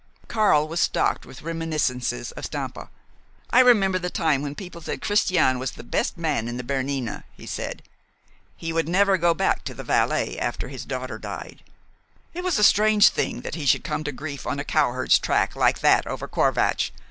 Karl was stocked with reminiscences of Stampa. "I remember the time when people said Christian was the best man in the Bernina," he said. "He would never go back to the Valais after his daughter died. It was a strange thing that he should come to grief on a cowherd's track like that over Corvatsch.